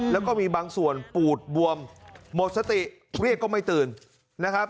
แล้วก็มีบางส่วนปูดบวมหมดสติเรียกก็ไม่ตื่นนะครับ